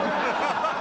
ハハハハ！